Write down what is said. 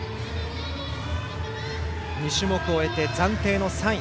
２種目終えて暫定３位。